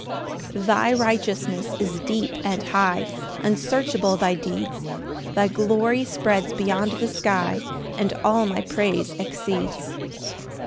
5 Thy righteousness is deep and high, Unsearchable thy deeds; Thy glory spreads beyond the sky, And all my praise exceeds.